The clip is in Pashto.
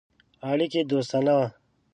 اړیکي دوستانه وه.